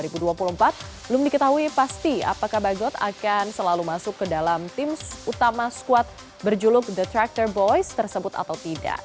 belum diketahui pasti apakah bagot akan selalu masuk ke dalam tim utama squad berjuluk the tractor boys tersebut atau tidak